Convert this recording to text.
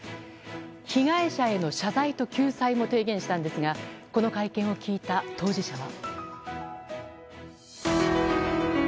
被害者への謝罪と救済も提言したんですがこの会見を聞いた、当事者は。